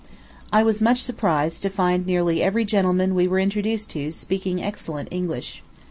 I was much surprised to find nearly every gentleman we were introduced to speaking excellent English.